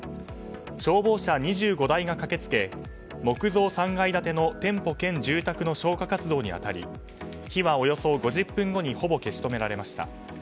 消防車２５台が駆けつけ木造３階建ての店舗兼住宅の消火活動に当たり火はおよそ５０分後にほぼ消し止められました。